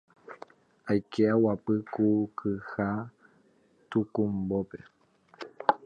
aike aguapy ku kyha tukumbópe